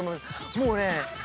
もうね。